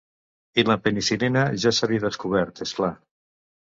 I la penicil·lina ja s’havia descobert, és clar.